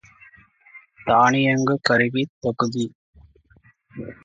தானியங்கு கருவித் தொகுதி.